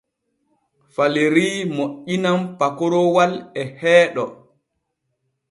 Falerii moƴƴinan pakoroowal e heeɗo.